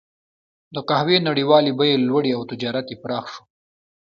د قهوې نړیوالې بیې لوړې او تجارت یې پراخ شو.